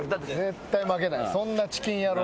絶対負けない。